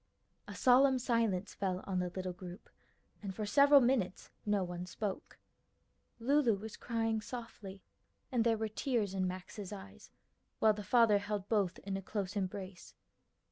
A solemn silence fell on the little group, and for several minutes no one spoke. Lulu was crying softly, and there were tears in Max's eyes, while the father held both in a close embrace.